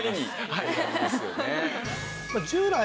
はい。